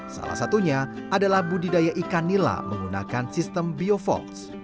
salah satunya adalah budidaya ikan nila menggunakan sistem biofols